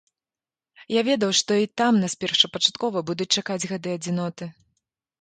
Я ведаў, што і там нас першапачаткова будуць чакаць гады адзіноты.